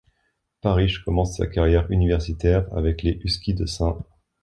Parrish commence sa carrière universitaire avec les Huskies de St.